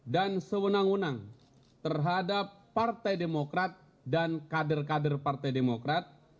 dan sewenang wenang terhadap partai demokrat dan kader kader partai demokrat